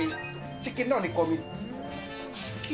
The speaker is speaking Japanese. チキンの煮込み。